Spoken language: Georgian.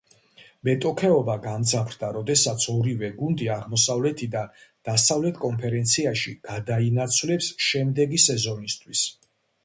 მეტოქეობა გამძაფრდა როდესაც ორივე გუნდი აღმოსავლეთიდან დასავლეთ კონფერენციაში გადაინაცვლეს შემდეგი სეზონისთვის.